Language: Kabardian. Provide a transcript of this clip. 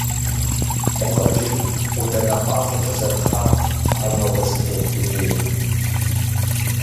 Гукъэкӏыж ӏуданэ пӏащӏэкӏэ зэрыхъат ар нобэ зытет дунейр.